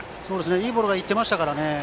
いいボールが行っていましたからね。